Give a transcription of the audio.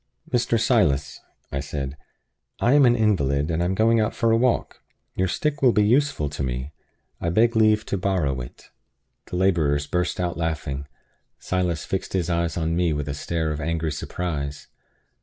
"Mr. Silas," I said, "I am an invalid, and I am going out for a walk. Your stick will be useful to me. I beg leave to borrow it." The laborers burst out laughing. Silas fixed his eyes on me with a stare of angry surprise.